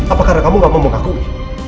apakah kamu gak mau mengakui